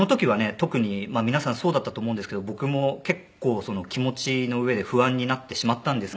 特にまあ皆さんそうだったと思うんですけど僕も結構気持ちのうえで不安になってしまったんですけれども。